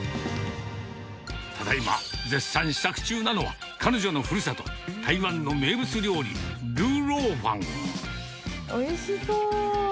ただいま絶賛試作中なのは、彼女のふるさと、台湾の名物料理、おいしそう。